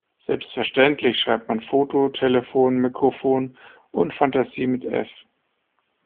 Selbstverständlich schreibt man Foto, Telefon, Mikrofon und Fantasie mit F.